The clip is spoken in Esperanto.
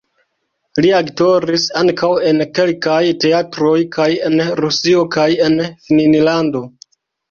Li aktoris ankaŭ en kelkaj teatroj kaj en Rusio kaj en Finnlando.